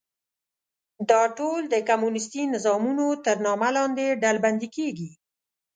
دا ټول د کمونیستي نظامونو تر نامه لاندې ډلبندي کېږي.